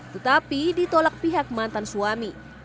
tetapi ditolak pihak mantan suami